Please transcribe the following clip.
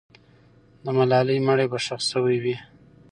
د ملالۍ مړی به ښخ سوی وي.